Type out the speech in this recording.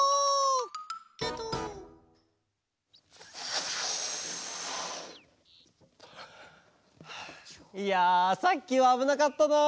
はあいやさっきはあぶなかったな。